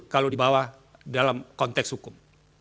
kalau dibawah dalam konteks hukum